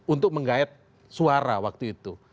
untuk menggayat suara waktu itu